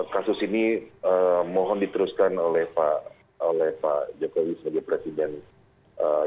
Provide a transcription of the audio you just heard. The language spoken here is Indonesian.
kasus ini mohon diteruskan oleh pak jokowi sebagai presiden jokowi